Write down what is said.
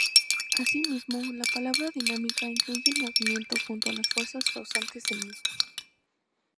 Asimismo, la palabra dinámica incluye el movimiento junto a las fuerzas causantes del mismo.